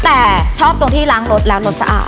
แต่ชอบตรงที่ล้างรถแล้วรสสะอาด